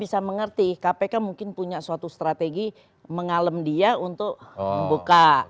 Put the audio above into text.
bisa mengerti kpk mungkin punya suatu strategi mengalem dia untuk membuka